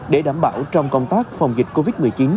để đảm bảo trong công tác phòng dịch covid một mươi chín